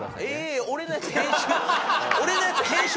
えっ俺のやつ編集。